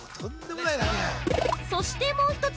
そしてもう一つ！